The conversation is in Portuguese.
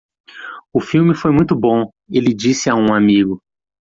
O filme foi muito bom, ele disse a um amigo.